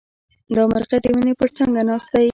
دا مرغه د ونې پر څانګه ناست دی.